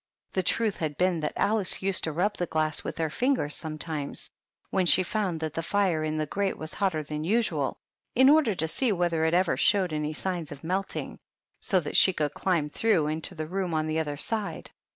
The truth had been that Alice used to rub the glass with hfer fingers some times, when she found that the fire in the grate was hotter than usual, in order to see whether it ever showed any sign of melting, so that she could climb through into the room on the other side.